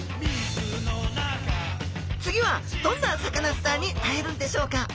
次はどんなサカナスターに会えるんでしょうか？